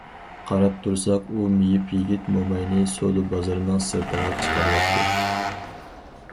قاراپ تۇرساق ئۇ مېيىپ يىگىت موماينى سودا بازىرىنىڭ سىرتىغا چىقىرىۋەتتى.